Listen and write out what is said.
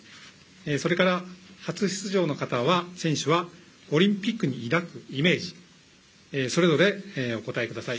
それから、初出場の選手はオリンピックに抱くイメージそれぞれ、お答えください。